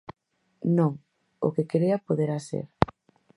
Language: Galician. Non, o que crea poderá ser.